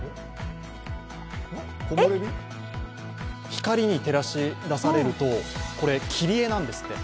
光に照らし出されるとこれ、切り絵なんですって。